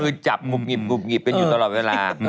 คือจับหุบหงิบหิบกันอยู่ตลอดเวลา